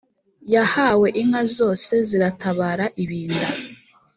yahawe inka zose ziratabara ibinda.